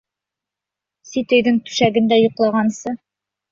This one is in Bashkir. Сит өйҙөң түшәгендә йоҡлағансы